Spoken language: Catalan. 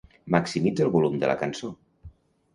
Maximitza el volum de la cançó.